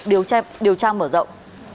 điều tra mở rộng